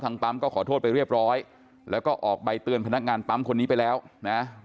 ปั๊มก็ขอโทษไปเรียบร้อยแล้วก็ออกใบเตือนพนักงานปั๊มคนนี้ไปแล้วนะ